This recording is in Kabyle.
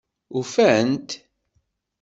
Ufant-t?